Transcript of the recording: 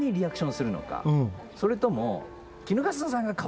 それとも。